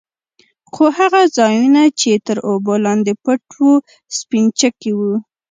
خو هغه ځايونه يې چې تر اوبو لاندې پټ وو سپينچکي وو.